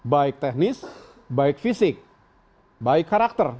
baik teknis baik fisik baik karakter